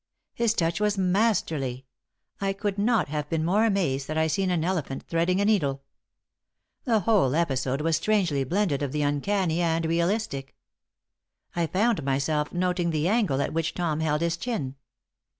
His touch was masterly. I could not have been more amazed had I seen an elephant threading a needle. The whole episode was strangely blended of the uncanny and realistic. I found myself noting the angle at which Tom held his chin.